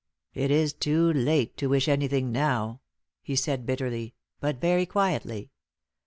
"It is too late to wish anything now," he said, bitterly, but very quietly.